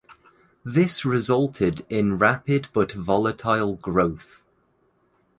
This resulted in rapid but volatile growth.